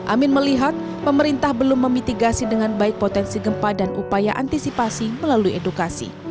amin melihat pemerintah belum memitigasi dengan baik potensi gempa dan upaya antisipasi melalui edukasi